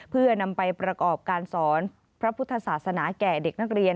เพื่อนำไปประกอบการสอนพระพุทธศาสนาแก่เด็กนักเรียน